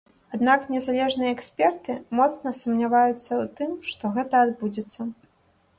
Аднак незалежныя эксперты моцна сумняваюцца ў тым, што гэта адбудзецца.